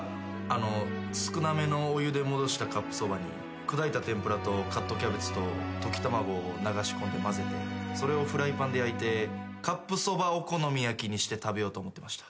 あのう少なめのお湯で戻したカップそばに砕いた天ぷらとカットキャベツと溶き卵を流し込んでまぜてそれをフライパンで焼いてカップそばお好み焼きにして食べようと思ってました。